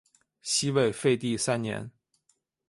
西魏废帝三年。